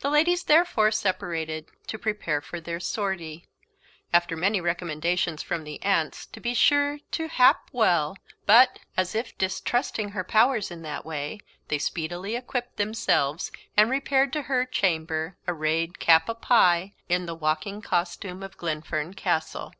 The ladies therefore separated to prepare for their sortie, after many recommendations from the aunts to be sure to hap well; but, as if distrusting her powers in that way, they speedily equipped themselves, and repaired to her chamber, arrayed cap a' pie in the walking costume of Glenfern Castle.